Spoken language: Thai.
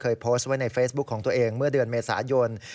โพสต์ไว้ในเฟซบุ๊คของตัวเองเมื่อเดือนเมษายน